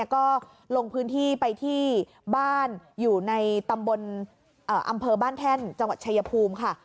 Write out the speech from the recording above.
ก็ลงพื้นที่ไปที่บ้านอยู่ในตำบลอำเภอบ้านแท่นจังหวัดชายภูมิค่ะ